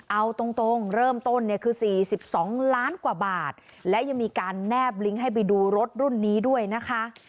เอาตรงเริ่มต้นเนี่ยคือ๔๒ล้านกว่าบาทและยังมีการแนบลิงก์ให้ไปดูรถรุ่นนี้ด้วยนะคะ